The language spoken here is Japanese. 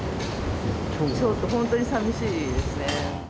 ちょっと本当にさみしいですね。